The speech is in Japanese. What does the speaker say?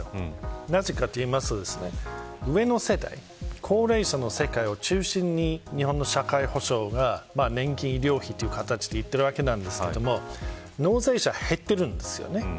なぜかというと上の世代高齢者の世代を中心に日本の社会保障が年金、医療費という形で行っているわけですが納税者は減っています。